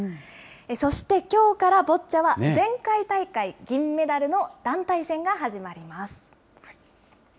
そして、きょうからボッチャは、前回大会銀メダルの団体戦が始まります。